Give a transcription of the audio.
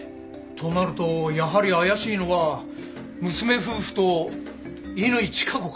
となるとやはり怪しいのは娘夫婦と乾チカ子か。